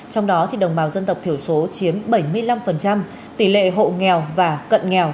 trong đó đồng bào dân tộc thiểu số chiếm bảy mươi năm tỷ lệ hộ nghèo và cận nghèo